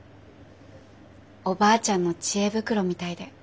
おばあちゃんの知恵袋みたいで。